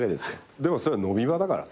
でもそれは飲み場だからさ。